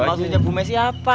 emang sejak bumi siapa